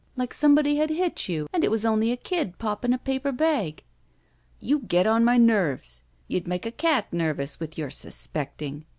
Like somebody had hit you, and it was only a kid popping a paper bag." "You get on my nerves. You'd make a cat nerv ous, with your suspecting